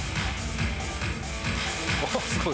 すごい。